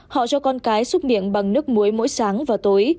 họ cho con cái xúc miệng bằng nước muối mỗi sáng vào tối